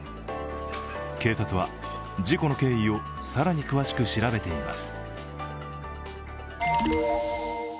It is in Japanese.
警察は、事故の経緯を更に詳しく調べています。